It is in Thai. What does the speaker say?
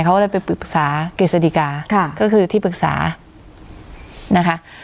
เขาเลยไปปรึกษากฤษฎิกาค่ะก็คือที่ปรึกษานะคะ